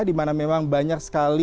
di mana memang banyak sekali